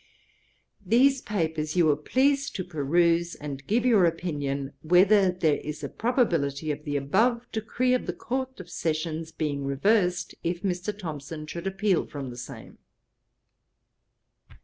'These papers you will please to peruse, and give your opinion, Whether there is a probability of the above decree of the Court of Session's being reversed, if Mr. Thomson should appeal from the same?'